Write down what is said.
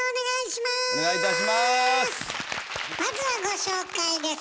まずはご紹介です。